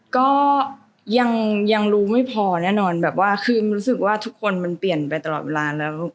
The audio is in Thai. ก็ยังรู้ไม่พอแน่นอนแบบว่าคือรู้สึกว่าทุกคนมันเปลี่ยนไปตลอดเวลาแล้ว